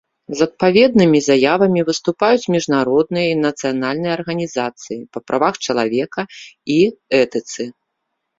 З адпаведнымі заявамі выступаюць міжнародныя і нацыянальныя арганізацыі па правах чалавека і этыцы.